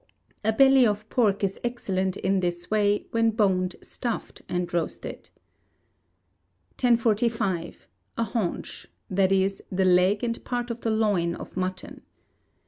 A belly of pork is excellent in this way, when boned, stuffed, and roasted. 1045. A Haunch. i.e., the leg and part of the loin of mutton.